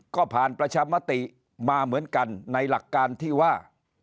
ก็ผ่านประชามติมาเหมือนกันในหลักการที่ว่า